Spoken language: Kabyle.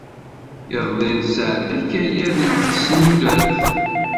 Iḍelli, nesɛedda akayad n tesnudert.